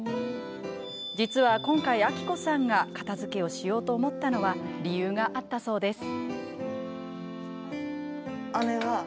実は今回、あきこさんが片づけをしようと思ったのは理由があったそうです。